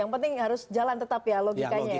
yang penting harus jalan tetap ya logikanya ya